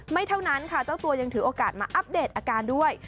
เท่านั้นค่ะเจ้าตัวยังถือโอกาสมาอัปเดตอาการด้วย